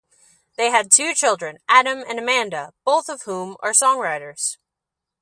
They had two children, Adam and Amanda, both of whom are songwriters.